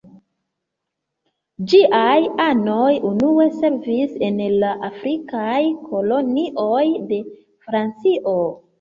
Ĝiaj anoj unue servis en la afrikaj kolonioj de Francio.